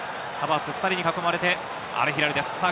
２人に囲まれてアルヒラルです。